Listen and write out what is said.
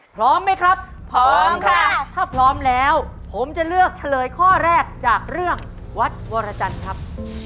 พร้อมไหมครับพร้อมค่ะถ้าพร้อมแล้วผมจะเลือกเฉลยข้อแรกจากเรื่องวัดวรจันทร์ครับ